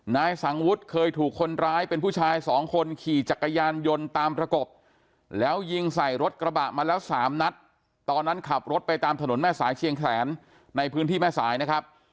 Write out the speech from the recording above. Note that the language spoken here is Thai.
นายสังวุฒิเคยถูกคนร้ายเป็นผู้ชาย๒คนขี่จักรยานยนต์ตามประกบ